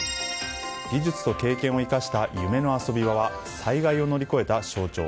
技術と経験を生かした夢の遊び場は災害を乗り越えた象徴。